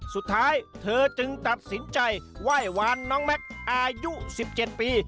สุดท้ายเธอจึงตัดสินใจไหว้วานน้องแม็กซ์อายุ๑๗ปี